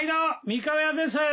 三河屋です。